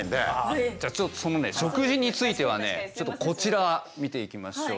じゃあちょっとそのね食事についてはねちょっとこちら見ていきましょう。